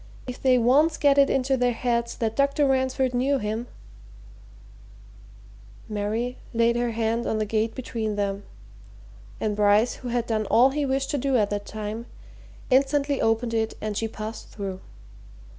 If they once get it into their heads that Dr. Ransford knew him " Mary laid her hand on the gate between them and Bryce, who had done all he wished to do at that time, instantly opened it, and she passed through.